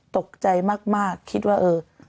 ตกใจมากคิดว่าเออ